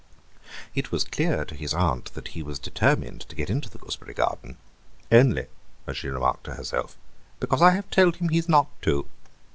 It was clear to his aunt that he was determined to get into the gooseberry garden, "only," as she remarked to herself, "because I have told him he is not to."